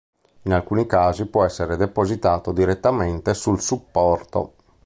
In alcuni casi può essere depositato direttamente sul supporto.